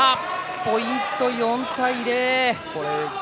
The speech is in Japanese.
ポイント、４対０。